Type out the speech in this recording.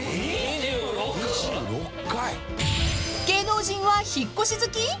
［芸能人は引っ越し好き？］